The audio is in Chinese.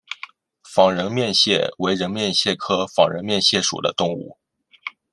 仿人面蟹为人面蟹科仿人面蟹属的动物。